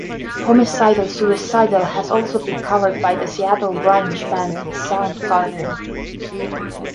"Homicidal Suicidal" has also been covered by the Seattle grunge band Soundgarden.